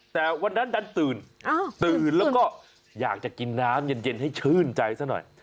แต่วันนั้นดันตื่นตื่นแล้วก็อยากจะกินน้ำเย็นให้ชื่นใจซะหน่อย